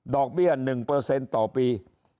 เบี้ย๑ต่อปี